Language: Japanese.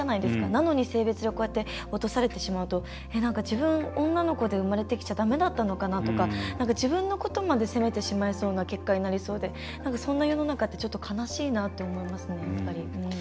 なのに性別で落とされてしまうと自分、女の子で生まれてきちゃだめだったのかなとか自分のことまで責めてしまいそうな結果になりそうでそんな世の中ってちょっと悲しいなと思いますね。